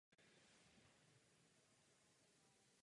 Hlasování rozhodlo o připojení k Německu.